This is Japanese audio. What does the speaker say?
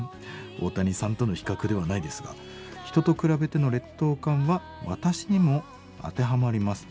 「大谷さんとの比較ではないですが人と比べての劣等感は私にも当てはまります。